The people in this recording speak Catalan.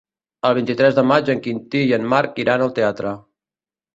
El vint-i-tres de maig en Quintí i en Marc iran al teatre.